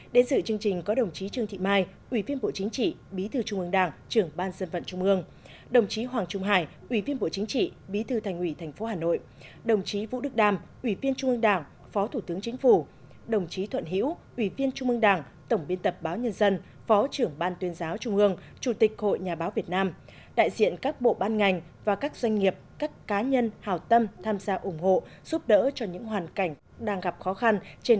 đến dự chương trình có đồng chí trương thị mai ủy viên bộ chính trị bí thư trung ương đảng trưởng ban dân vận trung ương đồng chí hoàng trung hải ủy viên bộ chính trị bí thư thành ủy tp hà nội đồng chí vũ đức đam ủy viên trung ương đảng phó thủ tướng chính phủ đồng chí thuận hiễu ủy viên trung ương đảng tổng biên tập báo nhân dân phó trưởng ban tuyên giáo trung ương chủ tịch hội nhà báo việt nam đại diện các bộ ban ngành và các doanh nghiệp các cá nhân hào tâm tham gia ủng hộ giúp đ